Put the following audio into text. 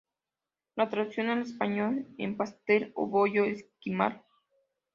La traducción al español es pastel o bollo esquimal.